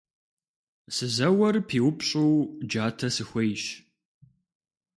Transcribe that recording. Сызэуэр пиупщӏу джатэ сыхуейщ.